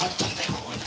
ここに。